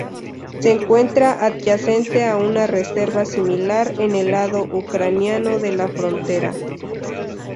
Se encuentra adyacente a una reserva similar en el lado ucraniano de la frontera.